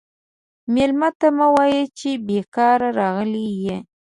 مېلمه ته مه وایه چې بیکاره راغلی یې.